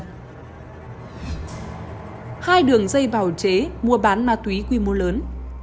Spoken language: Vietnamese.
hậu chế mua bán ma túy quy mô lớn